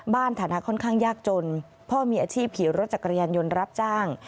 ฐานะค่อนข้างยากจนพ่อมีอาชีพขี่รถจักรยานยนต์รับจ้าง